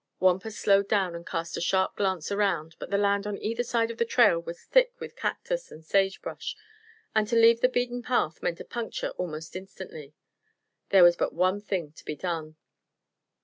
Wampus slowed down and cast a sharp glance around, but the land on either side of the trail was thick with cactus and sagebrush and to leave the beaten path meant a puncture almost instantly. There was but one thing to be done.